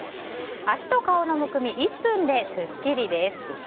足と顔のむくみ１分ですっきりです。